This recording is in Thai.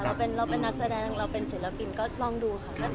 เราเป็นนักแสดงเราเป็นศิลปินก็ลองดูค่ะ